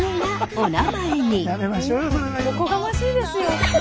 おこがましいですよ。